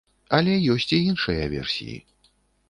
Але ёсць і іншыя версіі.